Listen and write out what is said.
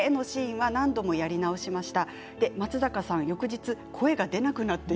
のシーンは何度もやり直しました。